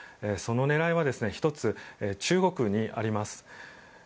その狙いは１つ、中国にあります。